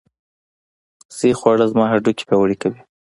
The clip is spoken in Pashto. صحي خواړه زما هډوکي پیاوړي کوي.